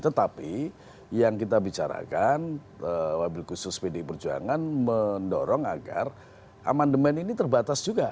tetapi yang kita bicarakan wabid khusus pd perjuangan mendorong agar aman demen ini terbatas juga